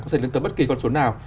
có thể liên tập bất kỳ con số nào